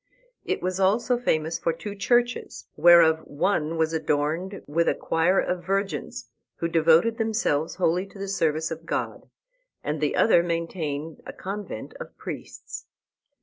It was also famous for two churches, whereof one was adorned with a choir of virgins, who devoted themselves wholly to the service of God, and the other maintained a convent of priests.